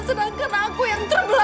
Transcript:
sedangkan aku yang terbelas